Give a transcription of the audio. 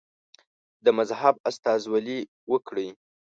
د مذهب استازولي وکړي.